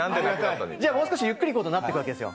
もう少しゆっくりとなっていくわけでよ。